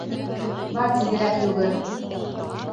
Бар тиҙерәк йүгер.